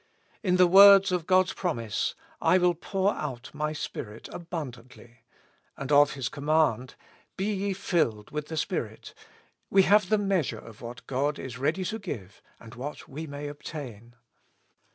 In the words of God's promise, *' I will pour out my Spirit abimdantly ;" and of His command, '' Be ye filled with the Spirit," we have the measure of what God is ready to give, and what we may obtain.